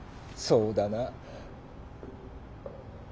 そうだな。